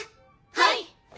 はい！